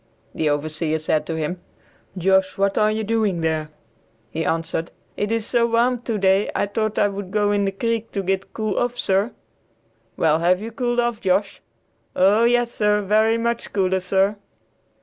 The overseer said to him, "Josh, what are you doing there?" He answered, "It is so warm today I taught I would go in de creek to git cool off, sir." "Well, have you got cooled off, Josh?" "Oh! yes, sir, very much cooler, sir."